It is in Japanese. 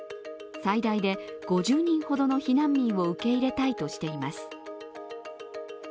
最大で５０人ほどの避難民を受け入れたいとしています。